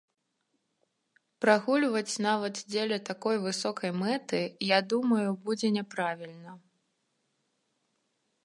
Прагульваць нават дзеля такой высокай мэты, я думаю, будзе няправільна.